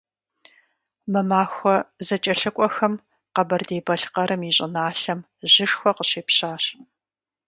Мы махуэ зэкӀэлъыкӀуэхэм Къэбэрдей-Балъкъэрым и щӀыналъэм жьышхуэ къыщепщащ.